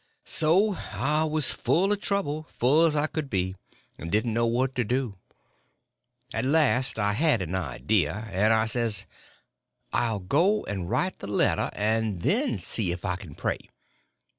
So I was full of trouble, full as I could be; and didn't know what to do. At last I had an idea; and I says, I'll go and write the letter—and then see if I can pray.